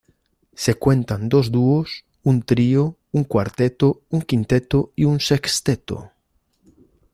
Se cuentan dos dúos, un trío, un cuarteto, un quinteto y un sexteto.